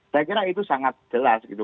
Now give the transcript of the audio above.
saya kira itu sangat jelas gitu